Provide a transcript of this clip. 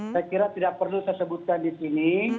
saya kira tidak perlu saya sebutkan di sini